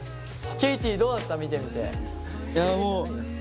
ケイティどうだった見てみて？